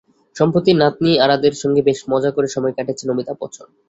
সম্প্রতি নাতনি আরাধ্যের সঙ্গে বেশ মজা করে সময় কাটিয়েছেন অমিতাভ বচ্চন।